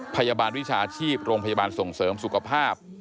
พยาบาลวิชาชีพโรงพยาบาลส่งเสริมสุขภาพ